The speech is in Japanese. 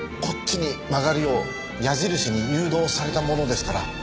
こっちに曲がるよう矢印に誘導されたものですから。